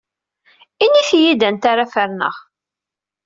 Init-iyi-d anta ara ferneɣ.